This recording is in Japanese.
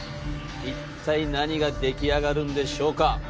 一体何が出来上がるんでしょうか？